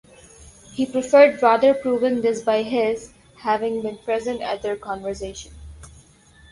He preferred rather proving this by His having been present at their conversation.